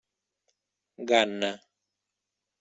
Ghana.